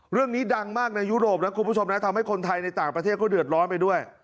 เรื่องนี้ดังมากในยุโรปนะคุณผู้ชมนะทำให้คนไทยในต่างประเทศเขาเดือดร้อนไปด้วย